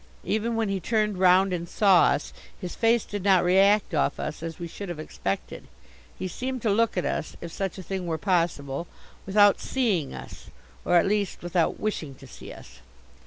Even when he turned round and saw us his face did not react off us as we should have expected. He seemed to look at us, if such a thing were possible, without seeing us, or, at least, without wishing to see us.